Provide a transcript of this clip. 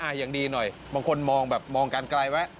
อ่ะอย่างดีหน่อยบางคนมองการกลายไว้